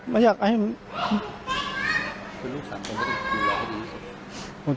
ไม่อยากให้มัน